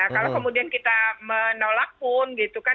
kalau kemudian kita menolak pun